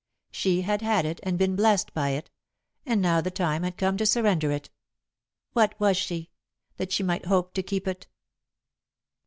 She had had it and been blessed by it, and now the time had come to surrender it. What was she, that she might hope to keep it?